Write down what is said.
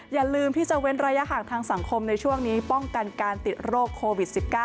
อย่าลืมที่จะเว้นระยะห่างทางสังคมในช่วงนี้ป้องกันการติดโรคโควิด๑๙